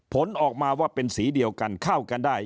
ผลออกมาว่าเป็นสีเดียวกันเข้ากันได้